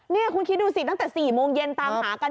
นี่คุณคิดดูสิตั้งแต่๔โมงเย็นตามหากัน